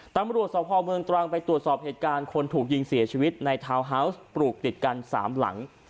ตำรวจสภเมืองตรังไปตรวจสอบเหตุการณ์คนถูกยิงเสียชีวิตในทาวน์ฮาวส์ปลูกติดกัน๓หลัง